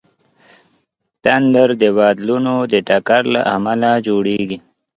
تندر د بادلونو د ټکر له امله جوړېږي.